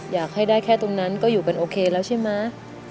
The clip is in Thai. อยากให้ได้แค่ตรงนั้นก็อยู่กันโอเคแล้วใช่ไหม